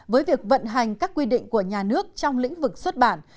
với việc vận hành các quy định của nhà nước trong lĩnh vực xuất bản